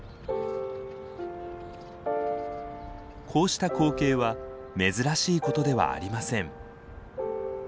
こうした光景は珍しいことではありません。